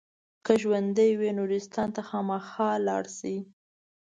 که ژوندي وئ نورستان ته خامخا لاړ شئ.